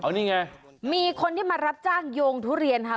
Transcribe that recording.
นี่ไงมีคนที่มารับจ้างโยงทุเรียนค่ะ